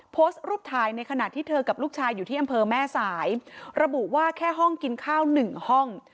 โพสต์รูปถ่ายในขณะที่เธอกับลูกชายอยู่ที่อำเภอแม่สายระบุว่าแค่ห้องกินข้าวหนึ่งห้อง